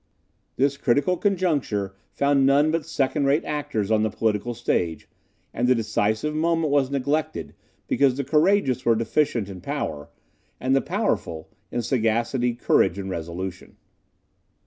This critical conjuncture found none but second rate actors on the political stage, and the decisive moment was neglected because the courageous were deficient in power, and the powerful in sagacity, courage, and resolution.